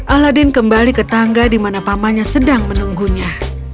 aladin kembali ke tangga di mana pamannya sedang menunggunya